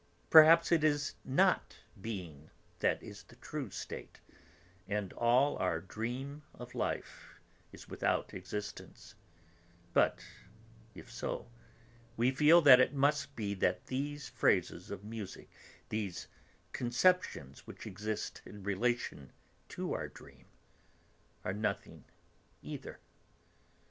Perhaps it is not being that is the true state, and all our dream of life is without existence; but, if so, we feel that it must be that these phrases of music, these conceptions which exist in relation to our dream, are nothing either.